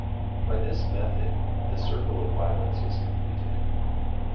By this method the circle of violence is completed.